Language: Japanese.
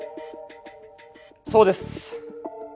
そうです。